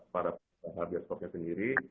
para pihak biostopnya sendiri